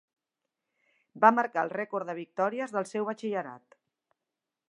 Va marcar el rècord de victòries del seu batxillerat.